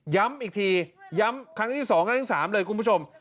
ย้ำอีกทีย้ำครั้งที่๒ครั้งที่๓เลยคุณผู้ชม